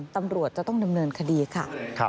ตำรวจจะต้องดำเนินคดีค่ะ